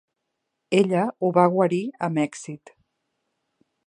Ella ho va guarir amb èxit.